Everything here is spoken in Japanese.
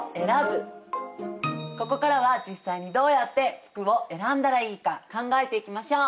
ここからは実際にどうやって服を選んだらいいか考えていきましょう。